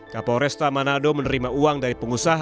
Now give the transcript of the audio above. kapolresta manado menerima uang dari pemirsa r a t